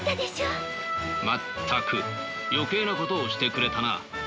全く余計なことをしてくれたな。